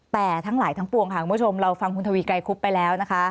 แต่ทั้งหลายทั้งปวงค่ะคุณผู้ชมเราฟังคุณทวีไกรคุบไปแล้วนะคะ